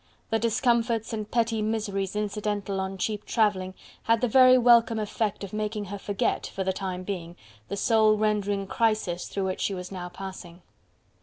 The discomforts and petty miseries incidental on cheap travelling had the very welcome effect of making her forget, for the time being, the soul rendering crisis through which she was now passing.